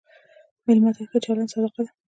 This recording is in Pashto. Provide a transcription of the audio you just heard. مېلمه ته ښه چلند صدقه ده.